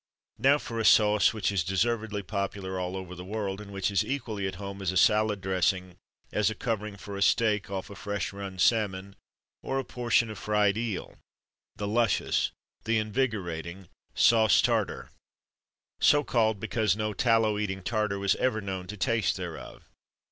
Now for a sauce which is deservedly popular all over the world, and which is equally at home as a salad dressing, as a covering for a steak off a fresh run salmon, or a portion of fried eel; the luscious, the invigorating Sauce Tartare, so called because no tallow eating Tartar was ever known to taste thereof.